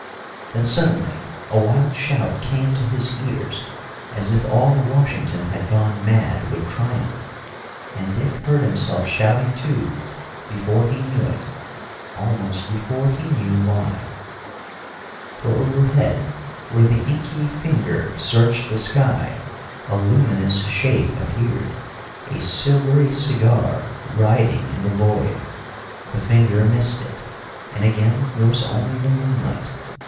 Then suddenly a wild shout came to his ears, as if all Washington had gone mad with triumph. And Dick heard himself shouting too, before he knew it, almost before he knew why. For overhead, where the inky finger searched the sky, a luminous shape appeared, a silvery cigar, riding in the void. The finger missed it, and again there was only the moonlight.